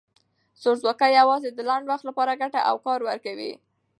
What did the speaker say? زورواکي یوازې د لنډ وخت لپاره ګټه او کار ورکوي.